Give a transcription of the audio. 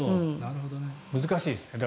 難しいですね。